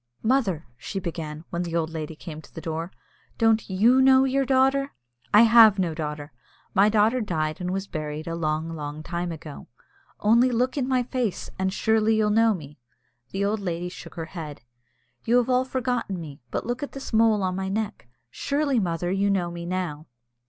"Mother," she began, when the old lady came to the door, "don't you know your daughter?" "I have no daughter; my daughter died and was buried a long, long time ago." "Only look in my face, and surely you'll know me." The old lady shook her head. "You have all forgotten me; but look at this mole on my neck. Surely, mother, you know me now?"